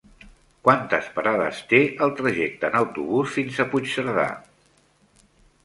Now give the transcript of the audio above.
Quantes parades té el trajecte en autobús fins a Puigcerdà?